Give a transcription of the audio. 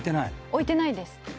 置いてないです。